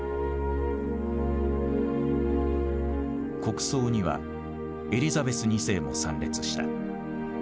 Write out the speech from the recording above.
国葬にはエリザベス２世も参列した。